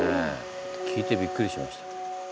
聞いてびっくりしました。